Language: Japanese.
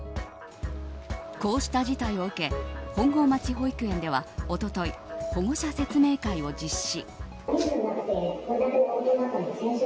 こうした事態を受け本郷町保育園では一昨日、保護者説明会を実施。